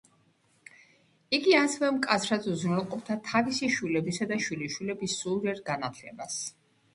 იგი ასევე მკაცრად უზრუნველყოფდა თავისი შვილებისა და შვილიშვილების სულიერ განათლებას.